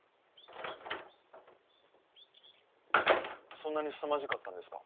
そんなにすさまじかったんですか？